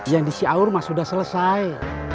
yang di siaur masih sudah selesai